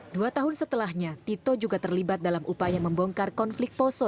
dua tahun setelahnya tito juga terlibat dalam upaya membongkar konflik poso